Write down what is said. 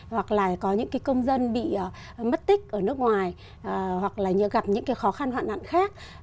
hoặc là có những công dân bị mất tích ở nước ngoài hoặc là gặp những cái khó khăn hoạn nạn khác